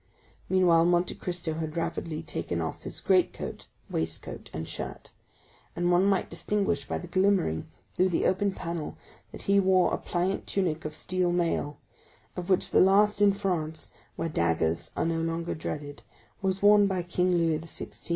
Meanwhile Monte Cristo had rapidly taken off his greatcoat, waistcoat, and shirt, and one might distinguish by the glimmering through the open panel that he wore a pliant tunic of steel mail, of which the last in France, where daggers are no longer dreaded, was worn by King Louis XVI.